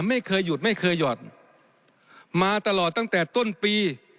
ไม่เคยหยุดไม่เคยหย่อนมาตลอดตั้งแต่ต้นปี